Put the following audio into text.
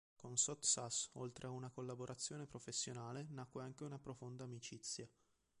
Con Sottsass, oltre a una collaborazione professionale, nacque anche una profonda amicizia.